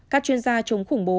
các chuyên gia chống khủng bố